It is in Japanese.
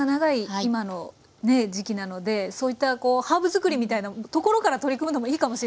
今のね時期なのでそういったハーブ作りみたいなところから取り組むのもいいかもしれないですね。